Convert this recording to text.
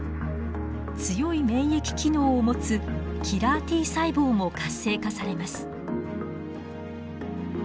強い免疫機能を持つキラーＴ細胞も活性化されます。